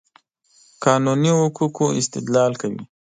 قانوني حقوقو استدلال کوي.